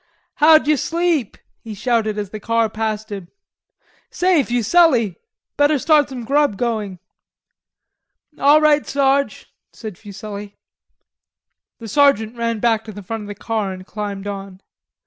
"How d'ye sleep," he shouted as the car passed him. "Say, Fuselli, better start some grub going." "All right, Sarge," said Fuselli. The sergeant ran back to the front of the car and climbed on.